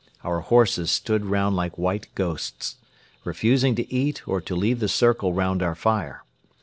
Our horses stood round like white ghosts, refusing to eat or to leave the circle round our fire.